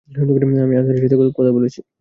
আমি আনসারীর সাথে কথা বলেছি।